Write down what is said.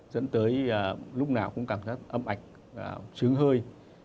dẫn tới lúc nào cũng cảm giác âm ạch chướng hơi